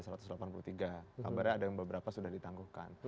kabarnya ada yang beberapa sudah ditangguhkan